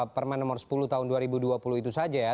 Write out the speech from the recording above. permen nomor sepuluh tahun dua ribu dua puluh itu saja ya